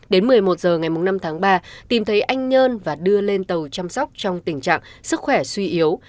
đến một mươi một h ngày năm tháng ba tìm thấy anh nhân và đưa lên tàu chăm sóc trong tình trạng sức khỏe suy yếu